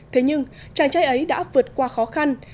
thế nhưng chàng trai ấy đã vượt qua khó khăn